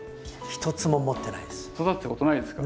一つも持ってないです。